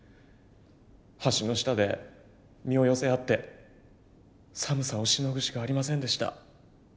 橋の下で身を寄せ合って寒さをしのぐしかありませんでした。